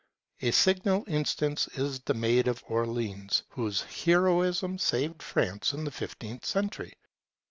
A signal instance is the Maid of Orleans, whose heroism saved France in the fifteenth century.